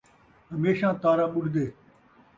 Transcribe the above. ہمیشاں تارا ٻݙدے